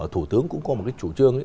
thủ tướng cũng có một chủ trương